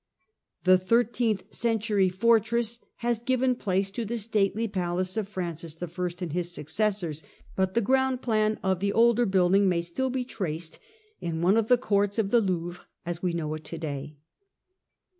The thirteenth century fortress has given place to the stately palace of Francis I. and his successors, but the ground plan of the older building may still be traced in one of the courts of the Louvre, as we know it to day.